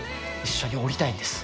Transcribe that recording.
一緒におりたいんです。